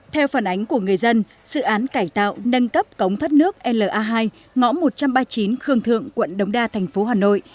theo phản ánh của người dân dự án cải tạo nâng cấp cống thoát nước la hai ngõ một trăm ba mươi chín khương thượng quận đống đa thành phố hà nội